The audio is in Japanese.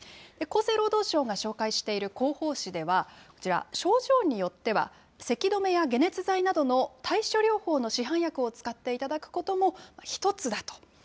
厚生労働省が紹介している広報誌では、こちら、症状によっては、せき止めや解熱剤などの対症療法の市販薬を使っていただくことも１つだと。